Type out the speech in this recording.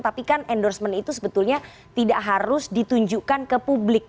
tapi kan endorsement itu sebetulnya tidak harus ditunjukkan ke publik